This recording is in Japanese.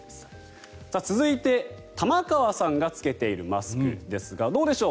続いて、玉川さんが着けているマスクですけれどどうでしょう？